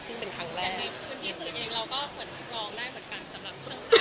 หรือเราก็รองได้เนี่ยเหมือนการสำรับช่างภาษา